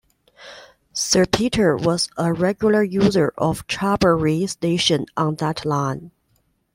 Sir Peter was a regular user of Charlbury station on that line.